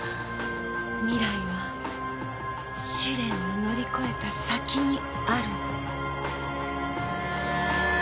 未来は試練を乗り越えた先にあるの。